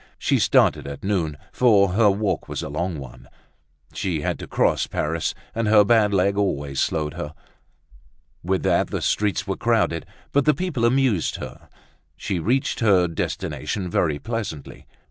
She started at noon, for her walk was a long one. She had to cross Paris and her bad leg always slowed her. With that the streets were crowded; but the people amused her; she reached her destination very pleasantly.